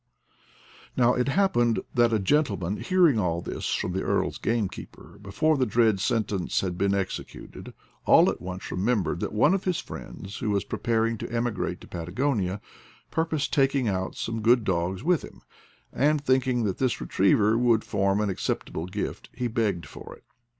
Now it happened that a gentleman, hearing all this from the earl's gamekeeper, before the dread sentence had been executed, all at once remem bered that one of his friends, who was preparing to emigrate to Patagonia, purposed taking out some good dogs with him, and thinking that this retriever would form an acceptable gift, he begged for it.